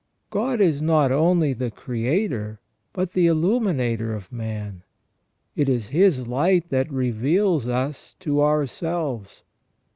God is not only the creator, but the illuminator of man ; it is His light that reveals us to ourselves.